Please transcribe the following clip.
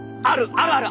あるある！